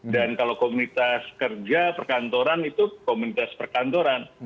dan kalau komunitas kerja perkantoran itu komunitas perkantoran